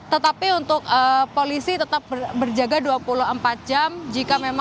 tetapi untuk polisi tetap berjaga dua puluh empat jam